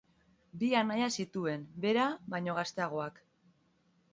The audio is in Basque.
Bi anaia zituen, bera baino gazteagoak.